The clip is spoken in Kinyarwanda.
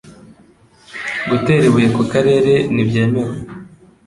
Gutera ibuye ku karere ntibyemewe